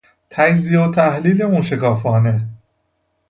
تجزیه و تحلیل موشکافانه